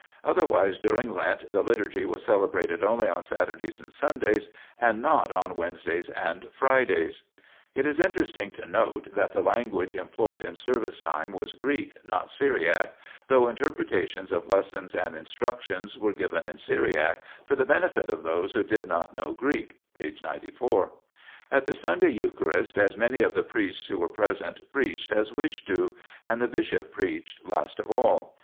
Otherwise during Lent the Liturgy was celebrated only on Saturdays and Sundays, and not on Wednesdays and Fridays. 1 * Cf, Council of Laod. c. 49. INTRODUCTION xliii It is interesting to note that the language em ployed in service time was Greek, not Syriac, though interpretations of lessons and instructions were given in Syriac for the benefit of those who did not know Greek (p. 94). At the Sunday Eucharist as many of the priests who were present preached as wished to, and the bishop preached last of all.